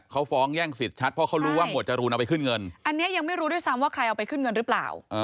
เขาฟ้องแย่งสิทธิ์ชัดเพราะเขารู้ว่าหมวดจรูนเอาไปขึ้นเงินอันนี้ยังไม่รู้ด้วยซ้ำว่าใครเอาไปขึ้นเงินหรือเปล่า